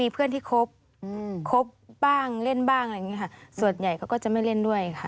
เป็น